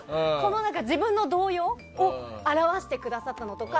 自分の動揺を表してくださったのとか